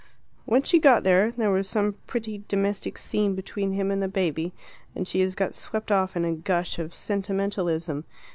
"When she got there, there was some pretty domestic scene between him and the baby, and she has got swept off in a gush of sentimentalism.